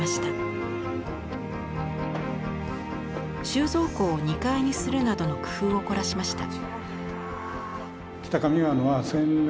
収蔵庫を２階にするなどの工夫を凝らしました。